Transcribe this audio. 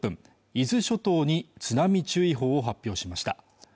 伊豆諸島に津波注意報を発表しました